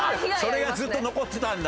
それがずっと残ってたんだ。